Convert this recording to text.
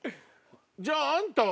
じゃああんたは。